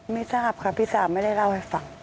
ไม่ทราบค่ะพี่สาวไม่ได้เล่าให้ฟัง